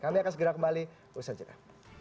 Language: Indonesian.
kami akan segera kembali bersama sama